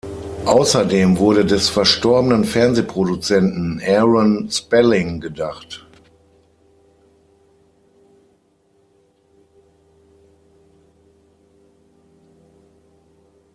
Außerdem wurde des verstorbenen Fernsehproduzenten Aaron Spelling gedacht.